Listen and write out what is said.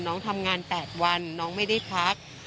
น้องทำงาน๘วันน้องไม่ได้พัก